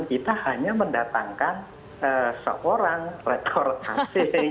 kita hanya mendatangkan seorang rektor ac